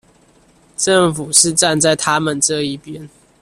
政府是站在他們這一邊